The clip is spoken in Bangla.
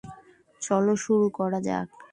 চলো, শুরু করা যাক।